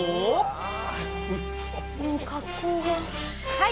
はい。